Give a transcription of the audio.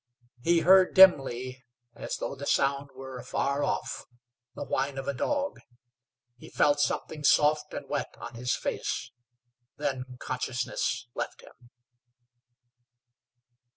He heard dimly, as though the sound were afar off, the whine of a dog. He felt something soft and wet on his face. Then consciousness left him.